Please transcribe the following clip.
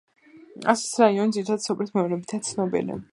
ასტარის რაიონი ძირითადად სოფლის მეურნეობითაა ცნობილი.